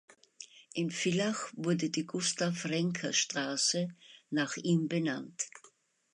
In Villach wurde die Gustav-Renker-Straße nach ihm benannt.